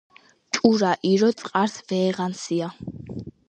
ჭურა ირო წყარს ვეეღანსია.